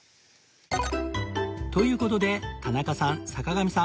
という事で田中さん坂上さん